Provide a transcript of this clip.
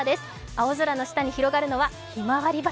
青空の下に広がるのはひまわり畑。